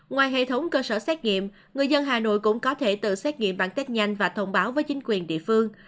ngoài hệ thống cơ sở xét nghiệm người dân hà nội cũng có thể tự xét nghiệm bản test nhanh và thông báo với chính quyền địa phương